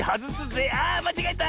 あまちがえた！